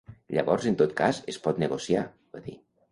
Llavors en tot cas es pot negociar, va dir.